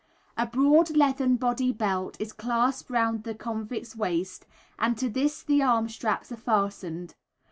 A broad leathern body belt is clasped round the convict's waist, and to this the arm straps are fastened.